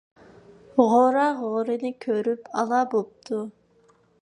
غورا غورىنى كۆرۈپ ئالا بوپتۇ.